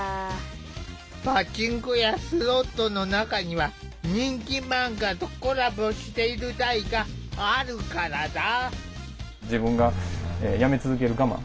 パチンコやスロットの中には人気マンガとコラボしている台があるからだ。